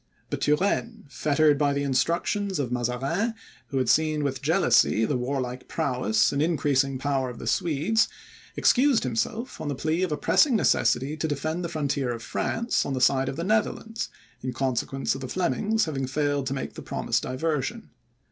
But Turenne, fettered by the instructions of Mazarin, who had seen with jealousy the warlike prowess and increasing power of the Swedes, excused himself on the plea of a pressing necessity to defend the frontier of France on the side of the Netherlands, in consequence of the Flemings having failed to make the promised diversion.